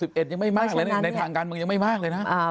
ยังไม่มากเลยนะในทางการเมืองยังไม่มากเลยนะ